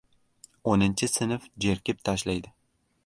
O‘ninchi sinf jerkib tashlaydi.